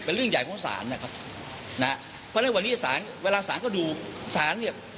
เป็นการขอมูล